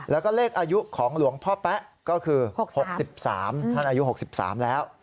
แล้วก็เลขอายุของหลวงพ่อแป๊ะก็คือ๖๓ท่านอายุ๖๓แล้ว